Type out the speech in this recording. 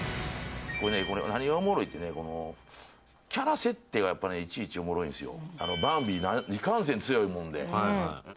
何がおもろいってねキャラ設定がいちいちおもろいんですよ。